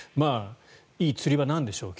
いい釣り場なんでしょう。